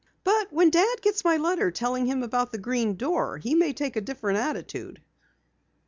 "But when Dad gets my letter telling him about the Green Door he may take a different attitude!"